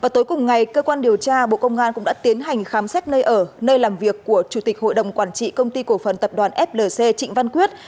tối cùng ngày cơ quan điều tra bộ công an cũng đã tiến hành khám xét nơi ở nơi làm việc của chủ tịch hội đồng quản trị công ty cổ phần tập đoàn flc trịnh văn quyết